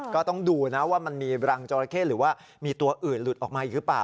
ก็ต้องดูนะว่ามันมีรังจอราเข้หรือว่ามีตัวอื่นหลุดออกมาอีกหรือเปล่า